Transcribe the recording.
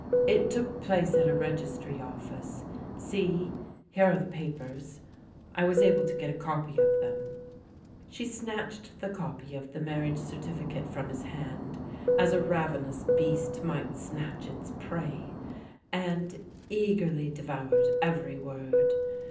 " It took place at a Registry Office. See, here are the papers. I was able to get a copy of tfiem." She snatched the copy of the marriage certificate from his band, as a ravenous beast mv^Vvl ^tvalcU its prey, and ti THE GIBLS ABE LOCATED 183 eagerly devoured every word.